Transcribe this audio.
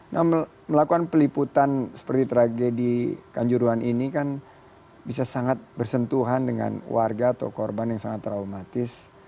nah melakukan peliputan seperti tragedi kanjuruan ini kan bisa sangat bersentuhan dengan warga atau korban yang sangat traumatis